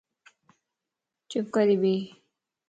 چپ ڪري ٻي